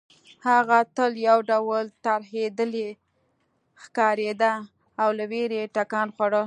هغه تل یو ډول ترهېدلې ښکارېده او له وېرې یې ټکان خوړل